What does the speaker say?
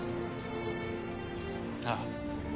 ああ。